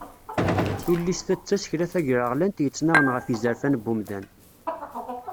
Tullist-a d tasekla tagreɣlant yettnaɣen ɣef yizerfan n umdan.